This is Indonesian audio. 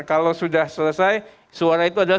kalau sudah selesai suara itu adalah